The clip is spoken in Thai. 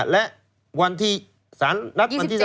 และวันที่สารนัดวันที่๒